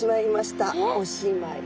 おしまい。